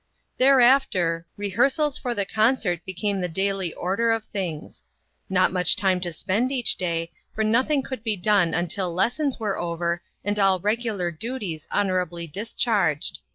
Thereafter, rehearsals for the concert be came the daily order of things ; not much time to spend each day, for nothing could be done until lessons were over and all reg ular duties honorably discharged.